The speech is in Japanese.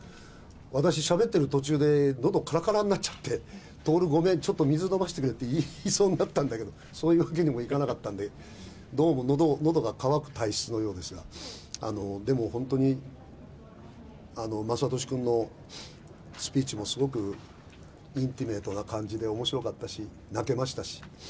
私、しゃべっている途中で、のどからからになっちゃって、徹、ごめん、ちょっと水飲ませてくれって言いそうになったんだけど、そういうわけにもいかなかったんで、どうものどが渇く体質のようですが、でも本当に、雅俊君のスピーチもすごくインティメートな感じでおもしろかったし、泣けましたし。